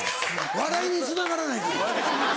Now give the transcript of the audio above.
笑いにつながらないから。